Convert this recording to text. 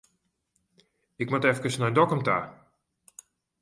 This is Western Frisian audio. Ik moat efkes nei Dokkum ta.